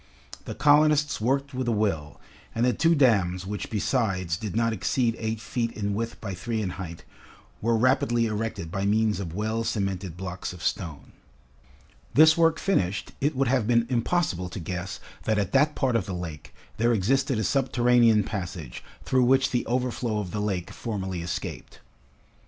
The colonists worked with a will, and the two dams which besides did not exceed eight feet in width by three in height, were rapidly erected by means of well cemented blocks of stone. This work finished, it would have been impossible to guess that at that part of the lake, there existed a subterranean passage through which the overflow of the lake formerly escaped.